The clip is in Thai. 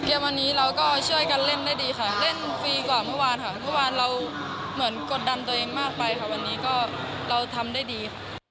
วันนี้เราก็ช่วยกันเล่นได้ดีค่ะเล่นฟรีกว่าเมื่อวานค่ะเมื่อวานเราเหมือนกดดันตัวเองมากไปค่ะวันนี้ก็เราทำได้ดีค่ะ